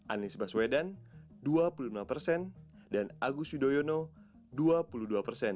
anies baswedan dua puluh lima persen dan agus yudhoyono dua puluh dua persen